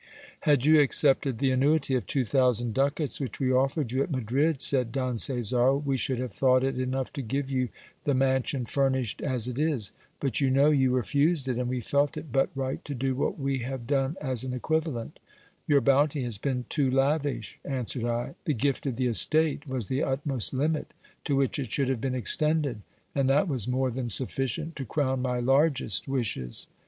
Had you accepted the annuity of two thousand ducats which we offered you at Madrid, said Don Caesar, we should have thought it enough to give you the mansion furnished as it is : but you know, you refused it ; and we felt it but right to do what we have done as an equivalent Your bounty has been too lavish, answered I : the gift of the estate was the utmost limit to which it should have been extended, and that was more than sufficient to crown my largest wishes.